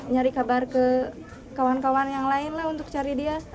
nyari kabar ke kawan kawan yang lain lah untuk cari dia